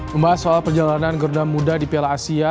membahas soal perjalanan garuda muda di piala asia